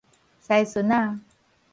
司孫仔